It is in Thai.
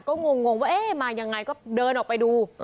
ก็งงว่าเอ๊ะมายังไงก็เดินออกไปดู